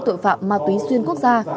tội phạm ma túy xuyên quốc gia